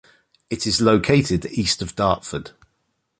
It is located east of Dartford.